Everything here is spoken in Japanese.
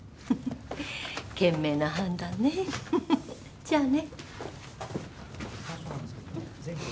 賢明な判断ねじゃあね